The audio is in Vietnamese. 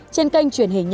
trên kênh truyền hình